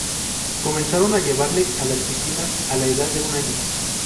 Comenzaron a llevarle a las piscinas a la edad de un año.